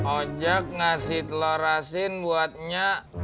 ojek ngasih telur asin buatnya